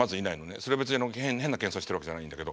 それ別に変な謙遜してるわけじゃないんだけど。